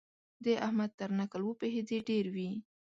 د احمد تر نکل وپوهېدې ډېر وي.